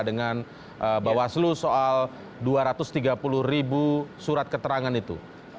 dengan bawaslu soal dua ratus tiga puluh ribu surat keterangan itu